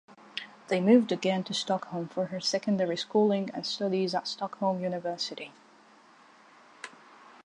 They moved again to Stockholm for her secondary schooling and studies at Stockholm University.